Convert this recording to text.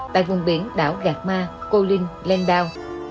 tại vùng biển đảo gạt ma co linh lên đao